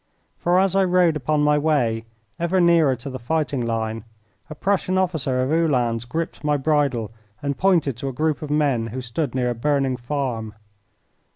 For as I rode upon my way, ever nearer to the fighting line, a Prussian officer of Uhlans gripped my bridle and pointed to a group of men who stood near a burning farm.